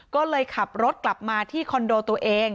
ก็เลยขับรถกลับมาที่คอนโดตัวเอง